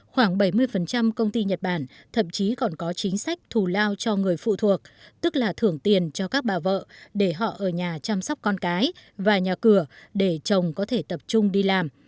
khoảng bảy mươi công ty nhật bản thậm chí còn có chính sách thù lao cho người phụ thuộc tức là thưởng tiền cho các bà vợ để họ ở nhà chăm sóc con cái và nhà cửa để chồng có thể tập trung đi làm